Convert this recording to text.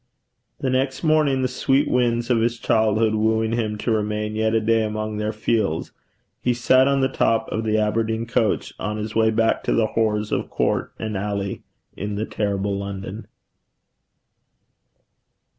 The next morning, the sweet winds of his childhood wooing him to remain yet a day among their fields, he sat on the top of the Aberdeen coach, on his way back to the horrors of court and alley in the terrible London.